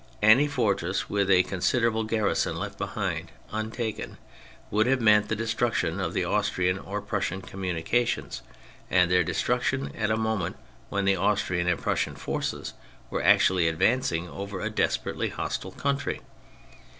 Any fortress with a considerable garrison left behind untaken would have meant the destruction of the Austrian or Prussian communications, and their destruc tion at a moment when the Austrian and Prussian forces were actually advancing over a desperately hostile country.